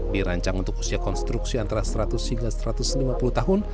dirancang untuk usia konstruksi antara seratus hingga satu ratus lima puluh tahun